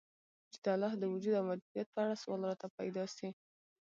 چي د الله د وجود او موجودیت په اړه سوال راته پیدا سي